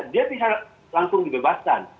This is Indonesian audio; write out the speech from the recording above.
dia bisa langsung dibebaskan